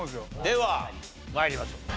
では参りましょう。